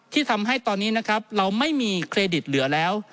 ที่ทำให้ตอนนี้นะครับเราไม่มีเครดิตเหลือแล้ว